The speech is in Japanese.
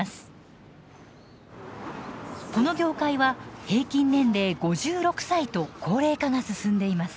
この業界は平均年齢５６歳と高齢化が進んでいます。